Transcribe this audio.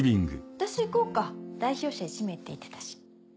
私行こうか代表者１名って言ってたし。